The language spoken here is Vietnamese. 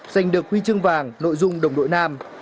giành được huy chương vàng nội dung đồng đội nam